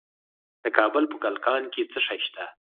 د کابل په کلکان کې څه شی شته؟